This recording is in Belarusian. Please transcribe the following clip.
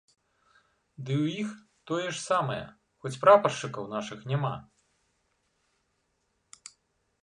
Ды ў іх тое ж самае, хоць прапаршчыкаў нашых няма.